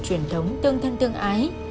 truyền thống tương thân tương ái